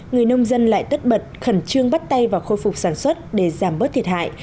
người nông dân lại tất bật khẩn trương bắt tay vào khôi phục sản xuất để giảm bớt thiệt hại